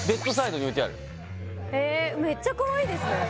めっちゃかわいいですね